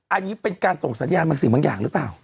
อันนี้เป็นการส่งสัญญาณบางสิ่งบางอย่างหรือเปล่า